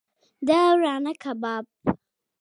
د ورانه کباب